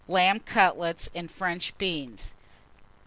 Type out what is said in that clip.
Lamb Cutlets and French Beans.